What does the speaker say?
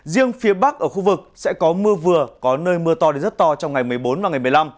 riêng phía bắc ở khu vực sẽ có mưa vừa có nơi mưa to đến rất to trong ngày một mươi bốn và ngày một mươi năm